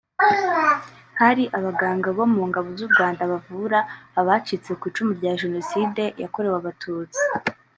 Hari abaganga bo mu Ngabo z’u Rwanda bavura abacitse ku icumu rya Jenoside yakorewe Abatutsi